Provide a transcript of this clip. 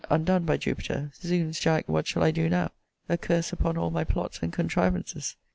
undone, by Jupiter! Zounds, Jack, what shall I do now? a curse upon all my plots and contrivances!